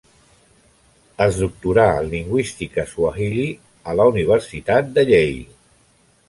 Es doctorà en lingüística suahili en la Universitat Yale.